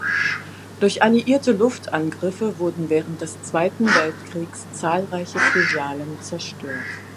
Durch alliierte Luftangriffe wurden während des Zweiten Weltkriegs zahlreiche Filialen zerstört.